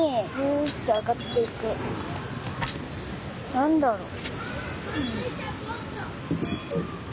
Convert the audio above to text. なんだろう？